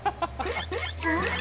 そう。